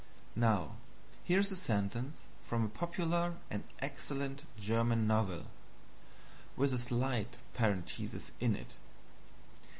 Now here is a sentence from a popular and excellent German novel with a slight parenthesis in it.